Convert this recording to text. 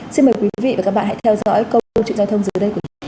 xin mời quý vị và các bạn hãy theo dõi câu chuyện giao thông dưới đây của chúng tôi